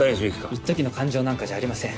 いっときの感情なんかじゃありません。